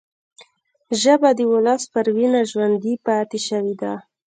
ژبه د ولس پر وینه ژوندي پاتې شوې ده